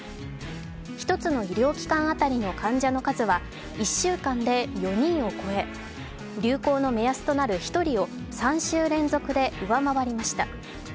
１つの医療機関当たりの患者の数は１週間で４人を超え流行の目安となる１人を３週連続で上回りました。